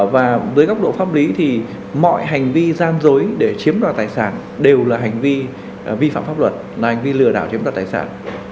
và với góc độ pháp lý thì mọi hành vi gian dối để chiếm đoạt tài sản đều là hành vi vi phạm pháp luật là hành vi lừa đảo chiếm đoạt tài sản